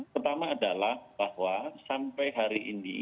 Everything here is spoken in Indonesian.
pertama adalah bahwa sampai hari ini